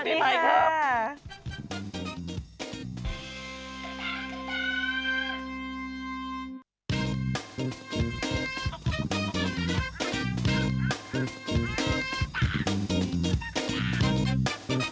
พบกับอาจารย์ลักษณ์อีกครั้งหนึ่งนะลักษณ์ที่อรุณ